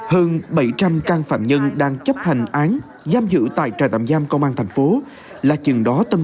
hơn bảy trăm linh can phạm nhân đang chấp hành án giam giữ tại trại tạm giam công an thành phố là chừng đó tâm